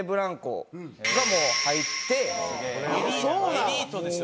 エリートですよ